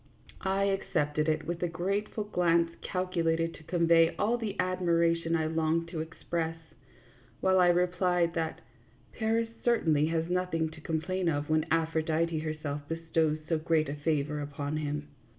I accepted it with a grateful glance calculated to convey all the admiration I longed to express, while I replied that " Paris certainly had nothing to com plain of when Aphrodite herself bestowed so great a favor upon him."